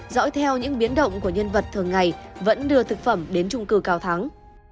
dõi theo những biến động của nhân vật thường ngày vẫn đưa thực phẩm đến trung cư cao thắng